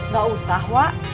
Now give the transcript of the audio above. gak usah wak